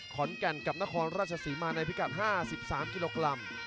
ขอนแก่นกับนครราชศรีมาในพิกัด๕๓กิโลกรัม